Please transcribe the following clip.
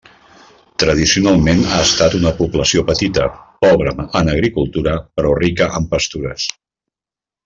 Tradicionalment ha estat una població petita, pobra en agricultura, però rica en pastures.